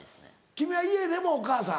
君は家でもお母さん？